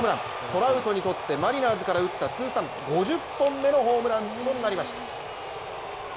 トラウトにとって、マリナーズから打った通算５０本目のホームランとなりました。